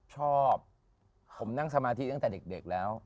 ชอบผมนั่งสมาธิตั้งแต่เด็กแล้ว